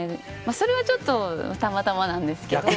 それはちょっとたまたまなんですけど。